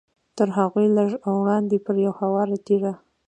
تر هغوی لږ وړاندې پر یوه هواره تیږه.